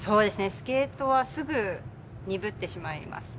スケートはすぐ鈍ってしまいますね。